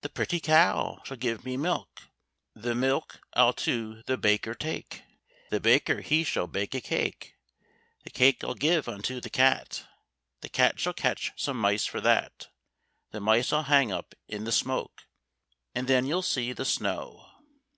The pretty cow shall give me milk, The milk I'll to the baker take. The baker he shall bake a cake, The cake I'll give unto the cat. The cat shall catch some mice for that, The mice I'll hang up in the smoke, And then you'll see the snow."